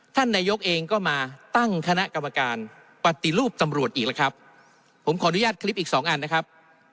ท่านนายกเองก็มาตั้งคณะกรรมการปฏิรูปตำรวจอีกแล้วครับผมขออนุญาตคลิปอีกสองอันนะครับ